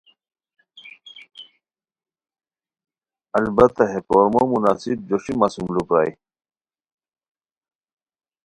البتہ ہے کورمو مناسب جوسی مہ سُم لو پرائے